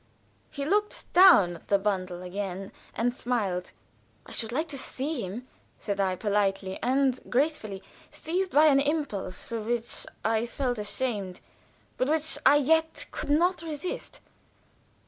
He looked down at the bundle again and smiled. "I should like to see him," said I, politely and gracefully, seized by an impulse of which I felt ashamed, but which I yet could not resist.